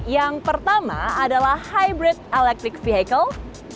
yang pertama adalah hybrid electric vehicle